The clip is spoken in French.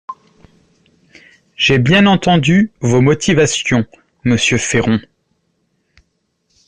J’ai bien entendu vos motivations, monsieur Féron.